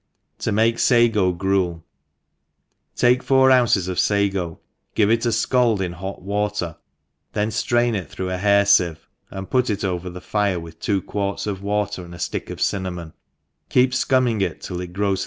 7i ENGLISH HOUSE.KEEPER. 315 Tomah Sago Gruel* TAKlB four ounces of fago^ give it a fcald in hot water, (hen flrain it through a hair fieve^ and put it Qver the fire with two quarts of water and a ftick of cinnamon, keep fcumming it till it grows